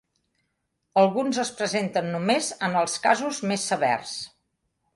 Alguns es presenten només en els casos més severs.